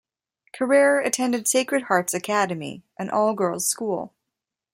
Carrere attended Sacred Hearts Academy, an all-girls school.